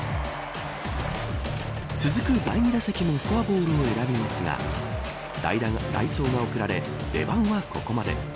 続く第２打席もフォアボールを選びますが代走が送られ、出番はここまで。